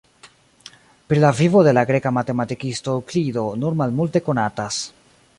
Pri la vivo de la greka matematikisto Eŭklido nur malmulte konatas.